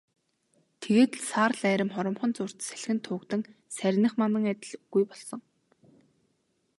Тэгээд л саарал арми хоромхон зуурт салхинд туугдан сарних манан адил үгүй болсон.